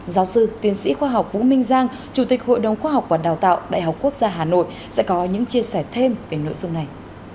giáo sư tiến sĩ khoa học vũ minh giang chủ tịch hội đồng khoa học và đào tạo đại học quốc gia hà nội sẽ có những chia sẻ thêm về nội dung này